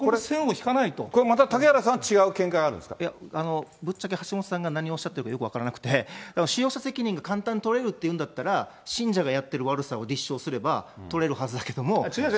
これまた嵩原さんは違う見解いや、ぶっちゃけ橋下さんが何をおっしゃってるか、よく分からなくて、だから使用者責任が簡単に取れるって言うんだったら、信者がやってる悪さを立証すれば取れるはずだけども、取れない。